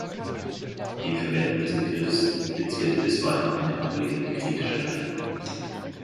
Die Verwendung des Begriffs impliziert bisweilen eine ablehnend-kritische Haltung.